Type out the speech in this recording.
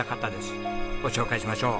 ご紹介しましょう。